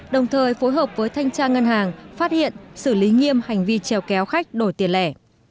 đồng thời phối hợp với thanh tra ngân hàng phát hiện xử lý nghiêm hành vi treo kéo khách đổi tiền lẻ